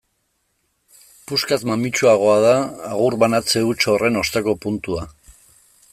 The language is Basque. Puskaz mamitsuagoa da agur banatze huts horren osteko puntua.